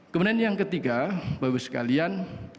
kemudian yang ketiga bapak ibu sekalian